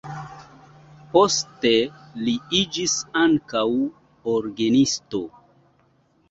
Poste li iĝis ankaŭ orgenisto.